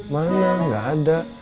mana gak ada